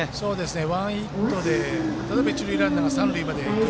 ワンヒットで例えば、一塁ランナーが三塁前行く。